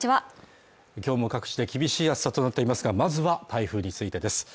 今日も各地で厳しい暑さとなっていますがまずは台風についてです